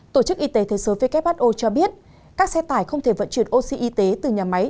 tổ chức y tế thế giới who cho biết các xe tải không thể vận chuyển oxy y tế từ nhà máy